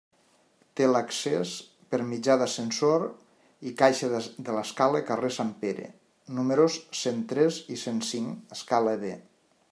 Té l'accés per mitjà d'ascensor i caixa de l'escala carrer Sant Pere, números cent tres i cent cinc –escala B–.